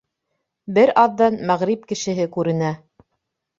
Бер аҙҙан мәғриб кешеһе күренә.